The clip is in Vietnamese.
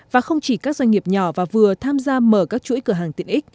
và không chỉ các doanh nghiệp nhỏ và vừa tham gia mở các chuỗi cửa hàng tiện ích